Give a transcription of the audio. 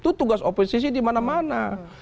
itu tugas oposisi di mana mana